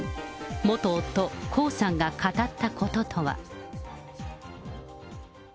元夫、江さんが語ったこととは。